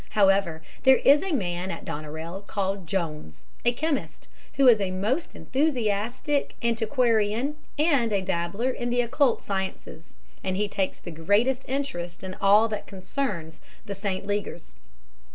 However, there is a man at Doneraile called Jones, a chemist, who is a most enthusiastic antiquarian and a dabbler in the occult sciences, and he takes the greatest interest in all that concerns the St. Legers.